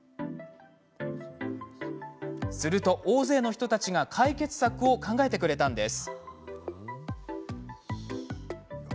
すると、大勢の人たちが解決策を考えてくれたんです。